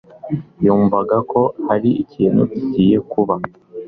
Yumvaga ko hari ikintu kigiye kuba